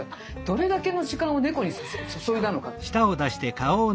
どれだけの時間を猫に注いだのか。